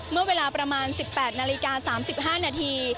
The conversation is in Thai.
เมื่อเวลาประมาณ๑๘นาฬิกา๓๕นาที